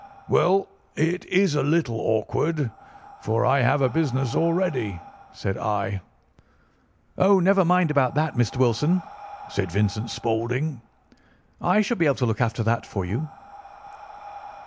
"'Well, it is a little awkward, for I have a business already,' said I. "'Oh, never mind about that, Mr. Wilson!' said Vincent Spaulding. 'I should be able to look after that for you.